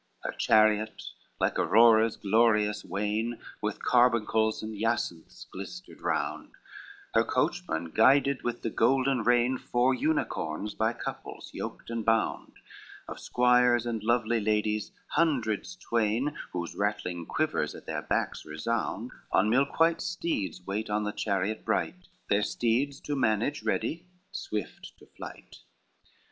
XXXIV Her chariot like Aurora's glorious wain, With carbuncles and jacinths glistered round: Her coachman guided with the golden rein Four unicorns, by couples yoked and bound; Of squires and lovely ladies hundreds twain, Whose rattling quivers at their backs resound, On milk white steeds, wait on the chariot bright, Their steeds to manage, ready; swift, to flight.